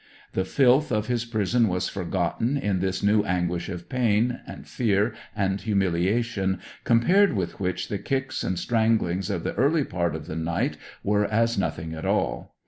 The filth of his prison was forgotten in this new anguish of pain, and fear, and humiliation, compared with which the kicks and stranglings of the early part of the night were as nothing at all.